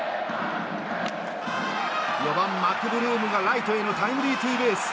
４番、マクブルームがライトへのタイムリーツーベース。